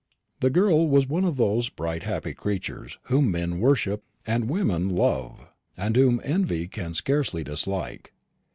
The girl was one of those bright happy creatures whom men worship and women love, and whom envy can scarcely dislike.